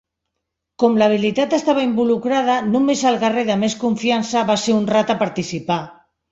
Com l'habilitat estava involucrada, només el guerrer de més confiança va ser honrat a participar.